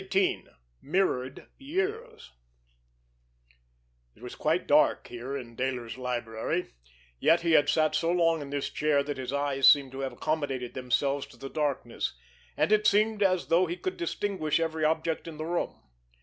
XVIII—MIRRORED YEARS It was quite dark here in Dayler's library, yet he had sat so long in this chair that his eyes seemed to have accommodated themselves to the darkness, and it seemed as though he could distinguish every object in the room.